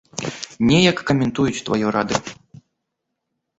Неяк каментуюць тваё радыё.